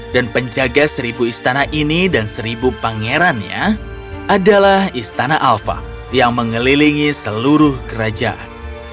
dan penjaga seribu istana ini dan seribu pangerannya adalah istana alfa yang mengelilingi seluruh kerajaan